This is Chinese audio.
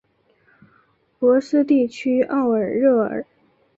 博斯地区奥尔热尔。